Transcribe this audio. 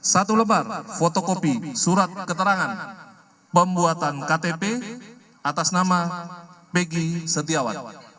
satu lembar fotokopi surat keterangan pembuatan ktp atas nama peggy setiawa